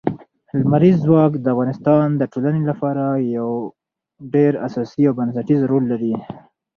لمریز ځواک د افغانستان د ټولنې لپاره یو ډېر اساسي او بنسټيز رول لري.